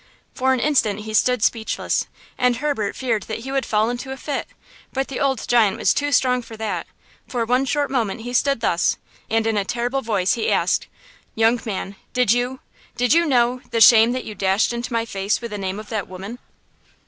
For an instant he stood speechless, and Herbert feared that he would fall into a fit; but the old giant was too strong for that! For one short moment he stood thus, and in a terrible voice he asked: "Young man, did you–did you know–the shame that you dashed into my face with the name of that woman?"